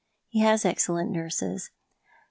He has excellent nurses. Dr.